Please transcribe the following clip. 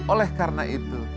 oleh karena itu